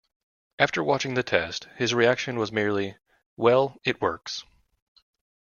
After watching the test, his reaction was merely Well, it works.